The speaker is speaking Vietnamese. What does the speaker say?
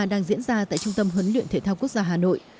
đang diễn ra tại trung tâm huấn luyện thể thao quốc gia hà nội